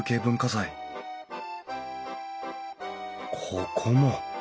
ここも。